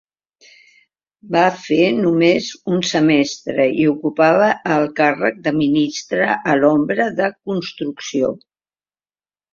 Va fer només un semestre i ocupava el càrrec de ministre a l'ombra de Construcció.